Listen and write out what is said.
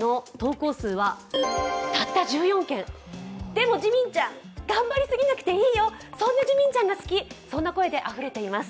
でもジミンちゃん、頑張りすぎなくていいよ、そんなジミンちゃんが好きそんな声であふれています。